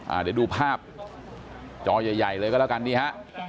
เดี๋ยวดูภาพจอใหญ่ใหญ่เลยก็แล้วกันนี่ฮะ